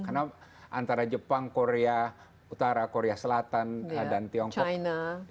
karena antara jepang korea utara korea selatan dan tiongkok